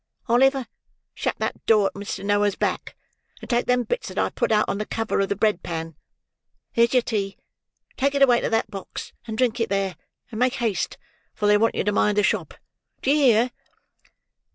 Oliver, shut that door at Mister Noah's back, and take them bits that I've put out on the cover of the bread pan. There's your tea; take it away to that box, and drink it there, and make haste, for they'll want you to mind the shop. D'ye hear?"